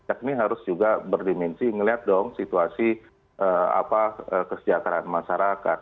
ini harus juga berdimensi ngelihat dong situasi apa kesejahteraan masyarakat